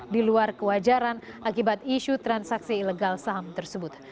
di luar kewajaran akibat isu transaksi ilegal saham tersebut